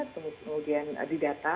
kemudian di data